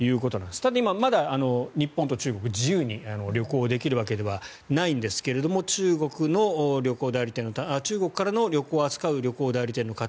ただ今、日本と中国自由に旅行できるわけではないんですが中国からの旅行を扱う旅行代理店の方。